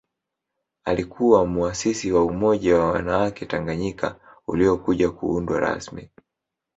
Alikuwa muasisi wa Umoja wa wanawake Tanganyika uliokuja kuundwa rasmi